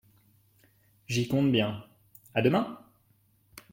J'y compte bien … A demain.